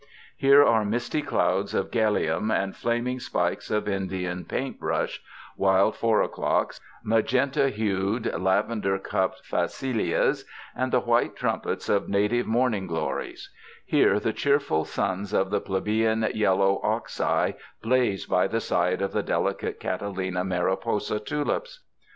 Here are misty clouds of galium and flaming spikes of Indian 180 WINTER ON THE ISLE OF SUMMER paiut brush, wild four o 'clocks, magenta hued, lav ender cupped phacelias, and the white trumpets of native morning glories; here the cheerful suns of the plelieian yellow ox eye blaze by the side of the delicate Catalina mariposa tulips.